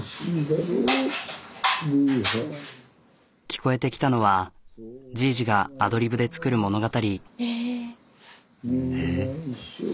聞こえてきたのはじいじがアドリブで作る物語。